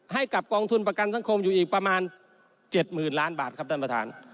ให้กับกองทุนประกันสังคมอยู่อีกประมาณ๗๐๐๐ล้านบาทครับท่านประธาน